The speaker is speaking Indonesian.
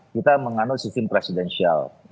kita menganut sistem presidensial